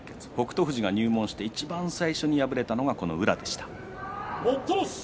富士が入門していちばん最初に敗れたのがこの宇良でした。